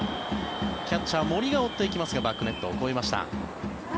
キャッチャー、森が追っていきますがバックネットを越えました。